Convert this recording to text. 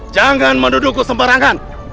jangan menduduk kesembarangan